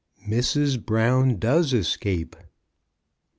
MRS. BROWN DOES ESCAPE.